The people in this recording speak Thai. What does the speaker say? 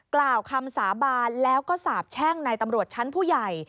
กล่าวคำสาบานแล้วก็สาบแช่งในตำรวจชั้นผู้ใหญ่